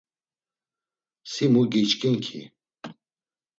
Si mu giçkin ki?